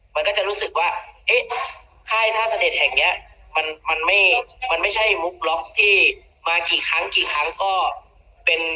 มันก็จะรู้สึกว่าค่ายท่าเสด็จแห่งเนี้ยมันไม่ใช่มุกล๊อคที่มากี่ครั้งกี่ครั้งก็